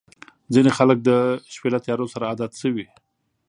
• ځینې خلک د شپې له تیارو سره عادت شوي.